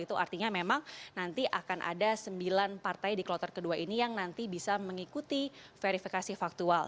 itu artinya memang nanti akan ada sembilan partai di kloter kedua ini yang nanti bisa mengikuti verifikasi faktual